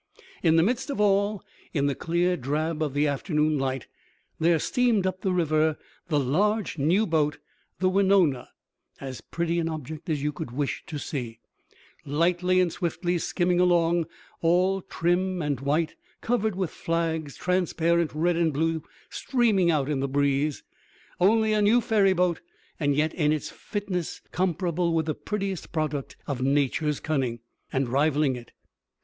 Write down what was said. In the midst of all, in the clear drab of the afternoon light, there steamed up the river the large new boat, the Wenonah, as pretty an object as you could wish to see, lightly and swiftly skimming along, all trim and white, covered with flags, transparent red and blue streaming out in the breeze. Only a new ferryboat, and yet in its fitness comparable with the prettiest product of Nature's cunning, and rivaling it.